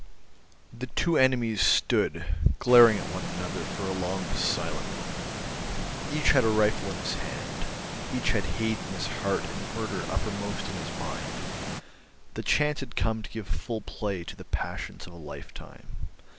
The two enemies stood glaring at one another for a long silent moment. Each had a rifle in his hand, each had hate in his heart and murder uppermost in his mind. The chance had come to give full play to the passions of a lifetime.